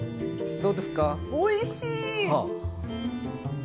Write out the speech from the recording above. おいしい！